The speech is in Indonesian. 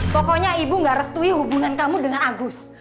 pokoknya ibu gak restui hubungan kamu dengan agus